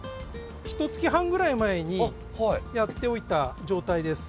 ひとつき半ぐらい前にやっておいた状態です。